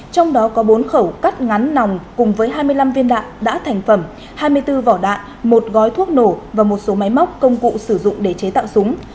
trong đó có bốn khẩu cắt ngắn nòng cùng với hai mươi năm viên đạn đã thành phẩm hai mươi bốn vỏ đạn một gói thuốc nổ và một số máy móc công cụ sử dụng để chế tạo súng